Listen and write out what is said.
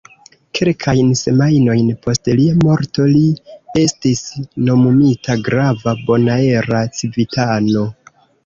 Kelkajn semajnojn post lia morto, li estis nomumita grava bonaera civitano.